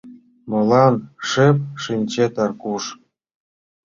— Молан шып шинчет, Аркуш?